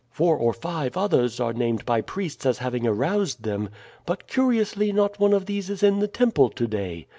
Four or five others are named by priests as having aroused them; but curiously not one of these is in the temple to day.